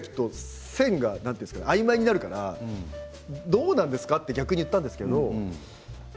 加藤シゲアキと線があいまいになるからどうなんですか？と逆に言ったんですけど